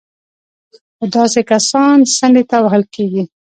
خو داسې کسان څنډې ته وهل کېږي